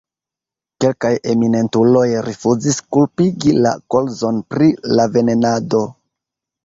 Kelkaj eminentuloj rifuzis kulpigi la kolzon pri la venenado.